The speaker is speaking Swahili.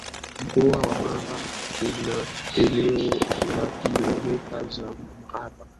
Mkoa wa Mara una eneo la Kilomita za mraba